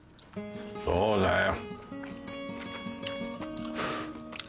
そうだよ。